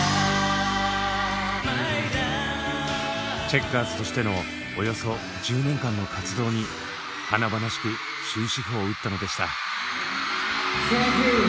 チェッカーズとしてのおよそ１０年間の活動に華々しく終止符を打ったのでした。